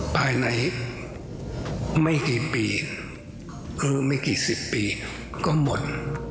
ภายในไม่กี่ปีคือไม่กี่สิบปีก็หมด